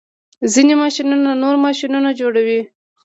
ځینې ماشینونه نور ماشینونه جوړوي.